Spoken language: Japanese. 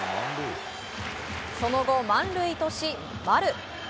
その後、満塁とし、丸。